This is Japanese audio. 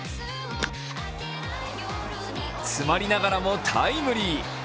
詰まりながらもタイムリー。